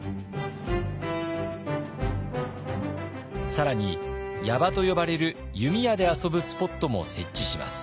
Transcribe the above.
更に矢場と呼ばれる弓矢で遊ぶスポットも設置します。